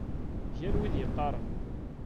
Mgal wid yeqqaren.